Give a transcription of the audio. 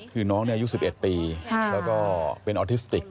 คือน้องอายุ๑๑ปีแล้วก็เป็นออทิสติก